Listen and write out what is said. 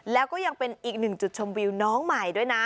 แล้วก็ยังเป็นอีกหนึ่งจุดชมวิวน้องใหม่ด้วยนะ